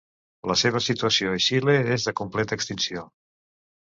La seva situació a Xile és de completa extinció.